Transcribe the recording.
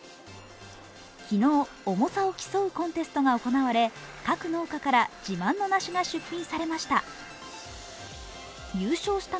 昨日、重さを競うコンテストが行われ各農家から自慢の梨が出品されました。